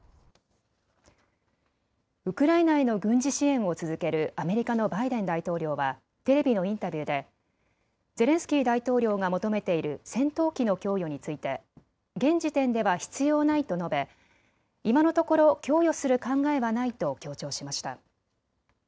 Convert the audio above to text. ウクライナへの軍事支援を続けるアメリカのバイデン大統領はテレビのインタビューでゼレンスキー大統領が求めている戦闘機の供与について現時点では必要ないと述べ、今のところ供与する考えはないと強調しました。